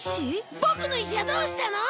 ボクの石はどうしたの？